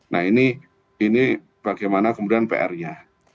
nah ini bagaimana kemudian pr nya